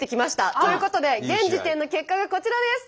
ということで現時点の結果がこちらです！